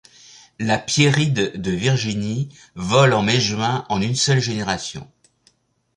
La Piéride de Virginie vole en mai juin en une seule génération.